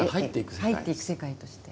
入っていく世界として。